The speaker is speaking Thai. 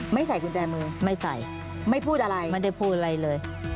ใส่กุญแจมือไม่ใส่ไม่พูดอะไรไม่ได้พูดอะไรเลย